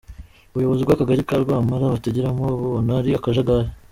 Ubuyobozi bw’Akagari ka Rwampala bategeramo bubona ari akajagari.